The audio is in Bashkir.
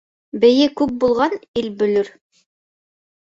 Бейе күп булған ил бөлөр.